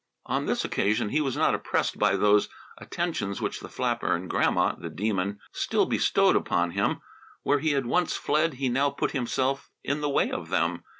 On this occasion he was not oppressed by those attentions which the flapper and Grandma, the Demon, still bestowed upon him. Where he had once fled, he now put himself in the way of them.